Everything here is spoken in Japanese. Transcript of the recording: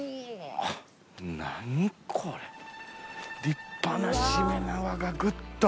立派なしめ縄がグッと。